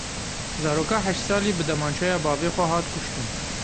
Zaroka heşt salî bi demançeya bavê xwe hat kuştin.